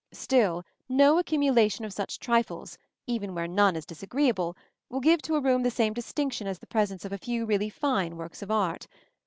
Still, no accumulation of such trifles, even where none is disagreeable, will give to a room the same distinction as the presence of a few really fine works of art.